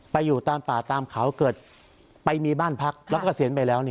อยู่ตามป่าตามเขาเกิดไปมีบ้านพักแล้วก็เกษียณไปแล้ว